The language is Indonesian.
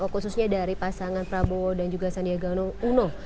khususnya dari pasangan prabowo dan juga sandiaga uno